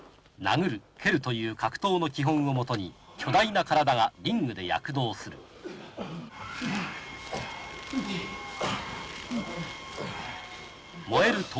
殴る蹴るという格闘の基本をもとに巨大な体がリングで躍動する燃える